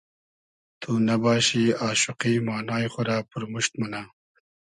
تو نئباشی آشوقی مانای خو رۂ پورموشت مونۂ